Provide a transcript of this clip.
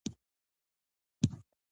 هندوکش په ستراتیژیک اهمیت کې رول لري.